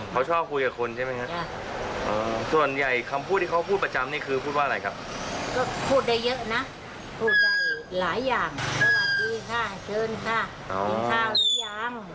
ไม่อย่างสวัสดีค่ะชื่นค่ะมีข้าวหรือยัง